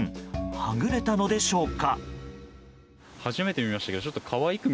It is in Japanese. はぐれたのでしょうか。